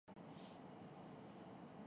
کیا تمہیں پورا یقین ہے کہ ٹام یہ کر لے گا؟